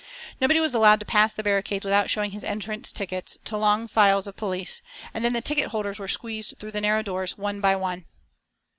Nobody was allowed to pass the barricades without showing his entrance tickets to long files of police, and then the ticket holders were squeezed through the narrow doors one by one.